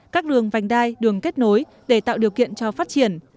các đường vành đai đường kết nối để tạo điều kiện cho phát triển